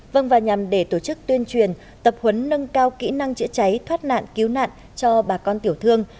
vâng và nhằm để tổ chức tuyên truyền tập huấn nâng cao kỹ năng chữa cháy thoát nạn cứu nạn cho bà con tiểu thương